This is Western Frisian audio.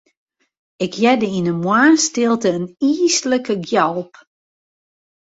Ik hearde yn 'e moarnsstilte in yslike gjalp.